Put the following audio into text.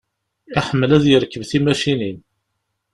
Iḥemmel ad yerkeb timacinin.